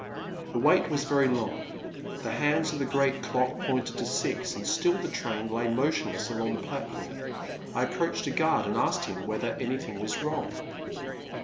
The wait was very long; the hands of the great clock pointed to six, and still the train lay motionless along the platform. I approached a guard, and asked him whether anything was wrong.